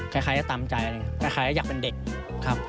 คล้ายจะตามใจเลยคล้ายก็อยากเป็นเด็กครับ